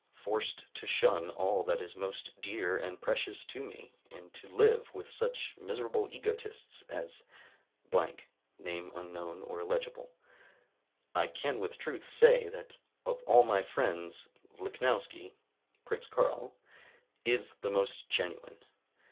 forced to shun all that is most dear and precious to me, and to live with such miserable egotists as , &c. I can with truth say that of all my friends Lichnowsky [Prince Carl] is the most genuine.